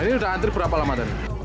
ini udah antre berapa lama tadi